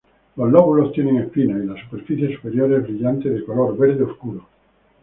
Los lóbulos tienen espinas y la superficie superior es brillante de color verde oscuro.